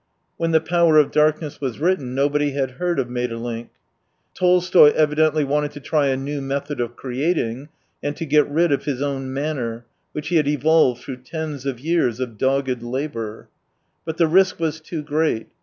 When the Power of Darkness was written nobody had heard of Maeterlinck. Tolstoy evidently wanted to try a new method of creating, and to get rid of his own manner, which he had evolved through tens of years of dogged labour. But the risk was too great.